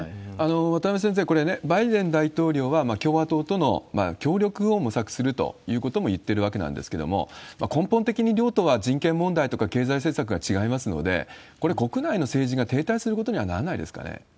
渡辺先生、これね、バイデン大統領は共和党との協力を模索するということも言ってるわけなんですけれども、根本的に両党は、人権問題とか経済政策が違いますので、これ、国内の政治が停滞することにはならないですかね？